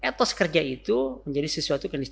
nah sehingga etos kerja itu menjadi sesuatu yang penting